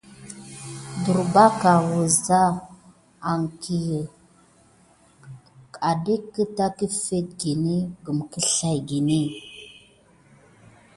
Derɓaga usɓeta ama wuza, adahek keta kəfekgeni vi kəsilgen gugu ə.